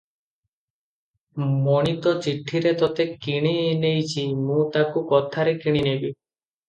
ମଣି ତ ଚିଠିରେ ତୋତେ କିଣି ନେଇଚି- ମୁଁ ତାକୁ କଥାରେ କିଣିନେବି ।